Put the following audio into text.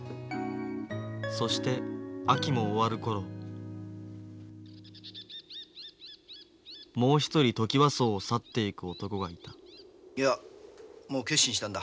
そして秋も終わる頃もう一人トキワ荘を去っていく男がいたいやもう決心したんだ。